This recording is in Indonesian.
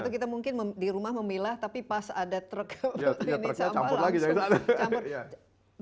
atau kita mungkin di rumah memilah tapi pas ada truk ini sampah langsung